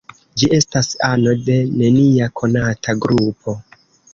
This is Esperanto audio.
Ĝi estas ano de nenia konata grupo.